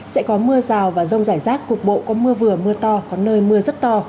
sẽ có mưa rào và rông rải rác cục bộ có mưa vừa mưa to có nơi mưa rất to